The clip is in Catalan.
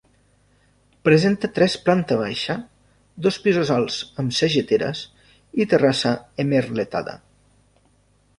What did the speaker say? Presenta tres planta baixa, dos pisos alts amb sageteres i terrassa emmerletada.